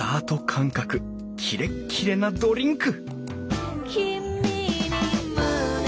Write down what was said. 感覚キレッキレなドリンク！